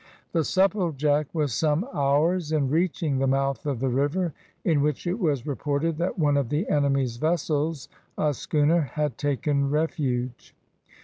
The Supplejack was some hours in reaching the mouth of the river, in which it was reported that one of the enemy's vessels, a schooner, had taken refuge.